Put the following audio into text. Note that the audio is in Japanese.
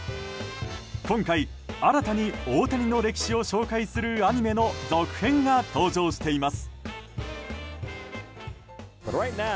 今回、新たに大谷の歴史を紹介するアニメの続編が登場しています。